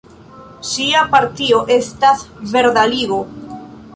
Ŝia partio estas Verda Ligo.